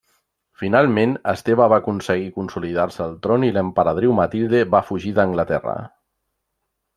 Finalment Esteve va aconseguir consolidar-se al tron i l'Emperadriu Matilde va fugir d'Anglaterra.